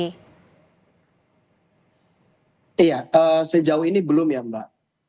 iya sejauh ini belum ya mbak